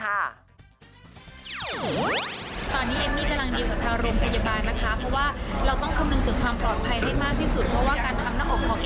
ตอนนี้เอมมี่กำลังเดินเหมือนทางโรงพยาบาลนะคะ